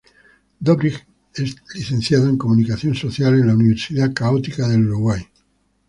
Dobrich es licenciado en Comunicación Social en la Universidad Católica del Uruguay.